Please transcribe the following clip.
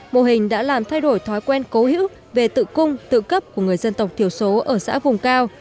mô hình đã làm thay đổi thói quen cố hữu về tự cung tự cấp của người dân tộc thiểu số ở xã vùng cao